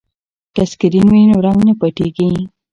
که سکرین وي نو رنګ نه پټیږي.